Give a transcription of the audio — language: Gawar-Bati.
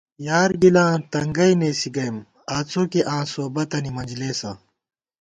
یارگِلاں تنگَئ نېسِی گئیم آڅوکے آں سوبَتَنی منجلېسہ